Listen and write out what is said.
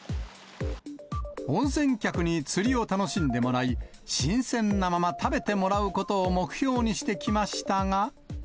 温泉客に釣りを楽しんでもらい、新鮮なまま食べてもらうことを目標にしてきましたが。